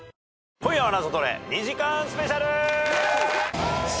『今夜はナゾトレ』２時間スペシャル！